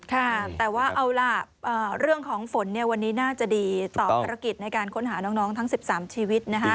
ค่ะแต่ว่าเอาล่ะเรื่องของฝนวันนี้น่าจะดีต่อภารกิจในการค้นหาน้องทั้ง๑๓ชีวิตนะคะ